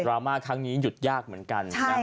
ดราม่าครั้งนี้หยุดยากเหมือนกันใช่ค่ะ